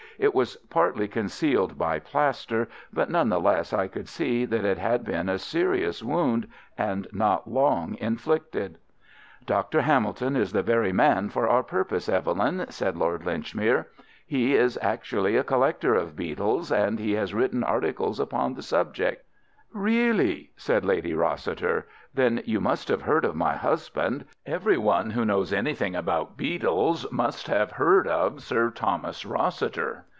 It was partly concealed by plaster, but none the less I could see that it had been a serious wound and not long inflicted. "Dr. Hamilton is the very man for our purpose, Evelyn," said Lord Linchmere. "He is actually a collector of beetles, and he has written articles upon the subject." "Really!" said Lady Rossiter. "Then you must have heard of my husband. Every one who knows anything about beetles must have heard of Sir Thomas Rossiter."